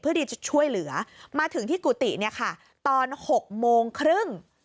ที่จะช่วยเหลือมาถึงที่กุฏิเนี่ยค่ะตอน๖โมงครึ่ง